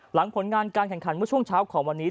ผลงานการแข่งขันเมื่อช่วงเช้าของวันนี้